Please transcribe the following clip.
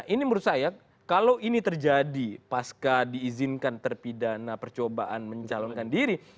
ini menurut saya kalau ini terjadi pasca diizinkan terpidana percobaan mencalonkan diri